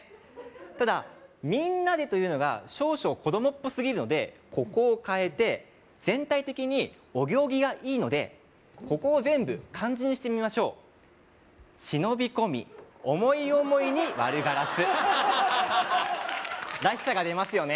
ただ「みんなで」というのが少々子供っぽすぎるのでここを変えて全体的にお行儀がいいのでここを全部漢字にしてみましょう「死野火呼魅思い思いに割るガラス」らしさが出ますよね